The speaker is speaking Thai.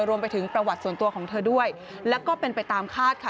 รวมไปถึงประวัติส่วนตัวของเธอด้วยแล้วก็เป็นไปตามคาดค่ะ